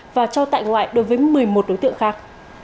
và cho tại ngoại đối với một mươi một đối tượng khác